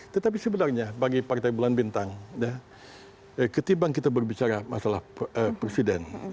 tetapi sebenarnya bagi partai bulan bintang ketimbang kita berbicara masalah presiden